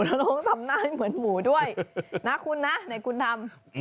น้องทำหน้าให้เหมือนหมูด้วยนะคุณนะไหนคุณทำ